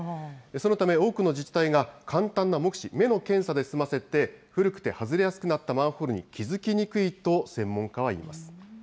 そのため、多くの自治体が簡単な目視、目の検査で済ませて、古くて外れやすくなったマンホールに気付きにくいと、専門家は言います。